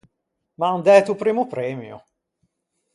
M’an dæto o primmo premio.